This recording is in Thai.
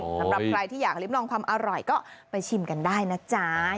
สำหรับใครที่อยากริ้มลองความอร่อยก็ไปชิมกันได้นะจ๊ะ